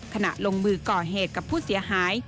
ขณะลงมือก่อเหตุกับผู้เสียหาย